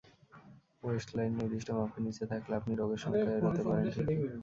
West line নির্দিষ্ট মাপের নিচে থাকলে আপনি রোগের শঙ্কা এড়াতে পারেন ঠিকই।